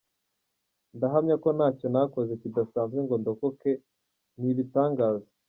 Ndahamya ko ntacyo nakoze kidasanzwe ngo ndokoke, ni ibitangaza.